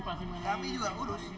kami juga urus